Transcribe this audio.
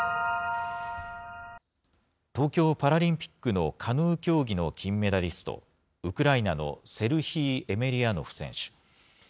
東京パラリンピックのカヌー競技の金メダリスト、ウクライナのセルヒー・エメリアノフ選手。